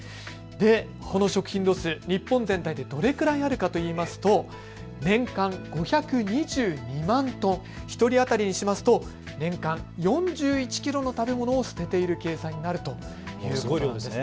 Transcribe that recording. この食品ロス、日本全体でどれくらいあるかといいますと年間５２２万トン、１人当たりにしますと年間４１キロの食べ物を捨てている計算になるということです。